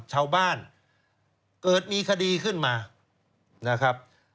ชาวบ้านเกิดมีคดีขึ้นมานะครับ